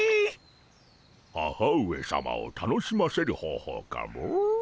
母上さまを楽しませる方法かモ？